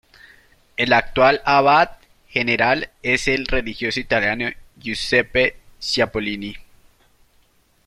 El actual Abad general es el religioso italiano Giuseppe Cipollini.